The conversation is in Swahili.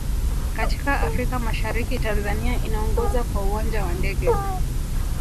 katika afrika mashariki tanzania inaongoza kwa uwanja wa ndege